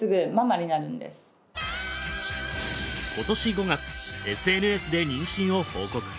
今年５月ＳＮＳで妊娠を報告。